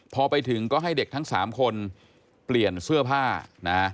พอไปถึงก็ให้เด็กทั้ง๓คนเปลี่ยนเสื้อผ้านะ